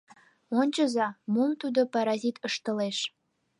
— Ончыза, мом тудо, паразит, ыштылеш.